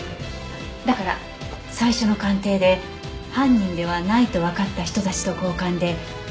だから最初の鑑定で犯人ではないとわかった人たちと交換で試薬を要求しましょう。